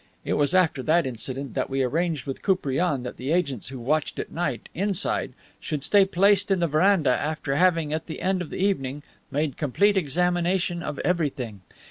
It was after that incident that we arranged with Koupriane that the agents who watched at night, inside, should stay placed in the veranda, after having, at the end of the evening, made complete examination of everything.